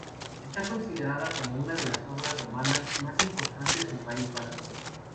Está considerada como una de las obras romanas más importantes del País Vasco.